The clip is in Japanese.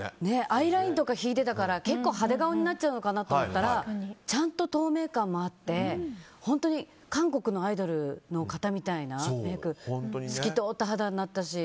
アイラインとか引いていたから結構派手顔になっちゃうのかなと思ったらちゃんと透明感もあって本当に韓国のアイドルの方みたいな透き通った肌になったし。